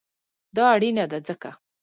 دا اړینه ده ځکه: